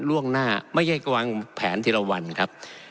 และ